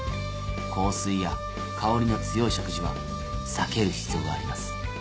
香水や香りの強い食事は避ける必要があります。